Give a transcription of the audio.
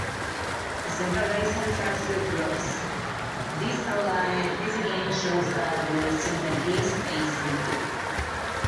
As centralizers are subgroups, this again shows that the center is a subgroup.